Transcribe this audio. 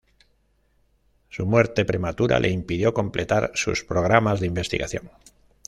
Su muerte prematura le impidió completar sus programas de investigación.